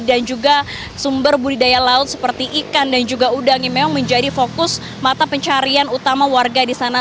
dan juga sumber budidaya laut seperti ikan dan juga udang yang memang menjadi fokus mata pencarian utama warga di sana